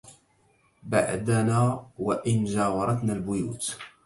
بعدنا وإن جاورتنا البيوت